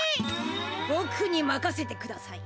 ボクにまかせてください。